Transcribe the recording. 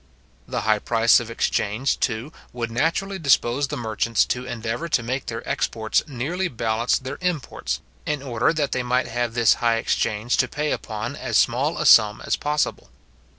The high price of exchange, too, would naturally dispose the merchants to endeavour to make their exports nearly balance their imports, in order that they might have this high exchange to pay upon as small a sum as possible.